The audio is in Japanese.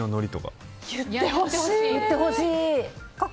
言ってほしい！